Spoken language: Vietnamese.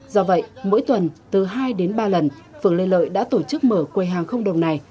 do vậy mỗi tuần từ hai đến ba lần phường lê lợi đã tổ chức mở quầy hàng không đồng này